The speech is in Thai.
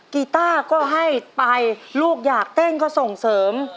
กีต้าก็ให้ไปลูกอยากเต้นก็ส่งเสริม